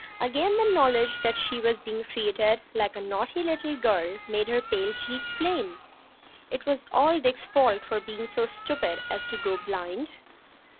Again the knowledge that she was being treated like a naughty little girl made her pale cheeks flame. It was all Dick's fault for being so stupid as to go blind.